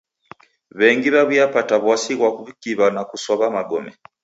W'engi w'aw'iapata w'asi kwa w'ukiw'a na kusow'a magome.